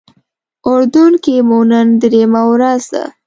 اردن کې مو نن درېیمه ورځ ده.